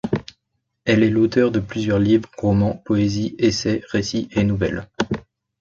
Elle est l'auteure de plusieurs livres, romans, poésies, essais, récits et nouvelles.